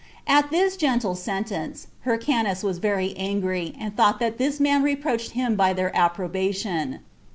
At this gentle sentence, Hyrcanus was very angry, and thought that this man reproached him by their approbation.